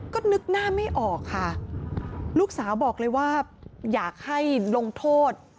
ก็นึกหน้าไม่ออกค่ะลูกสาวบอกเลยว่าอยากให้ลงโทษ